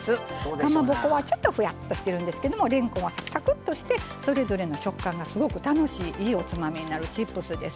かまぼこはちょっとふやっとしてるんですけどもれんこんはサクサクッとしてそれぞれの食感がすごく楽しいいいおつまみになるチップスです。